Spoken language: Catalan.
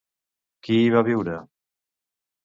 Qui hi va viure?